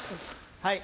はい。